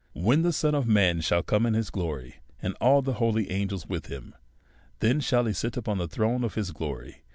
" When the Son of man shall come in his glory, and all tiie holy angels with him, then shall he sit upon the throne of his glory.